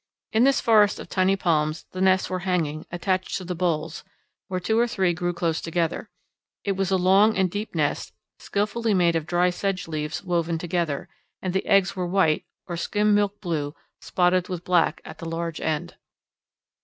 In this forest of tiny palms the nests were hanging, attached to the boles, where two or three grew close together; it was a long and deep nest, skilfully made of dry sedge leaves woven together, and the eggs were white or skim milk blue spotted with black at the large end.